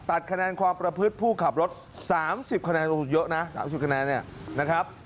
ตัดคะแนนความประพฤติผู้ขับรถ๓๐คะแนนโอ้โหเยอะนะ๓๐คะแนนเนี่ยนะครับ